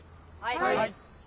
はい！